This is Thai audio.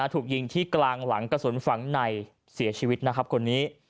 ถูกยิงที่กลางหลังกระสุนฝังในเสียชีวิตนะครับคนนี้